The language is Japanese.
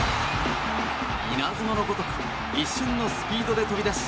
稲妻のごとく一瞬のスピードで飛び出し